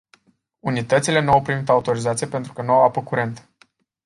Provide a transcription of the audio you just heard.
Unitățile nu au primit autorizație pentru că nu au apă curentă.